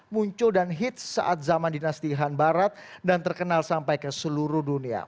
muncul dan hits saat zaman dinastihan barat dan terkenal sampai ke seluruh dunia